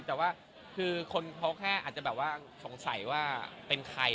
แล้วก็เราชอบที่ไหนอะไรอย่างนี้